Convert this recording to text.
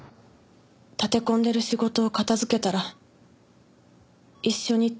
立て込んでる仕事を片付けたら一緒に東京に出て暮らそうって。